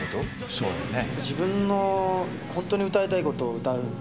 そうだね。